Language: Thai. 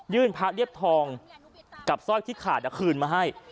ยื่นพระเรียบทองกับสร้อยทิศขาดกระคืนมาให้